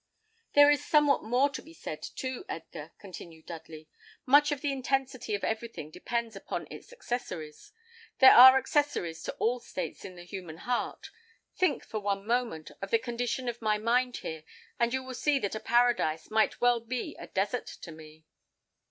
"There is somewhat more to be said, too, Edgar," continued Dudley. "Much of the intensity of everything depends upon its accessories. There are accessories to all states in the human heart. Think, for one moment, of the condition of my mind here, and you will see that a paradise might well be a desert to me."